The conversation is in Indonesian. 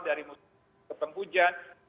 dari musim ke depan hujan